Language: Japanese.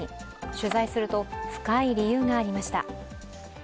取材すると深い理由がありました。